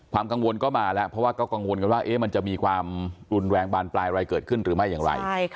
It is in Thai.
กังวลก็มาแล้วเพราะว่าก็กังวลกันว่ามันจะมีความรุนแรงบานปลายอะไรเกิดขึ้นหรือไม่อย่างไร